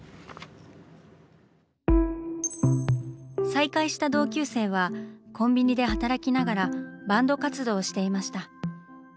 再会した同級生はコンビニで働きながらバンド活動をしていました。